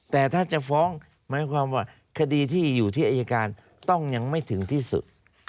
แต่ถ้าจะฟ้องหมายความว่าคดีที่อยู่ที่อายการต้องยังไม่ถึงที่สุด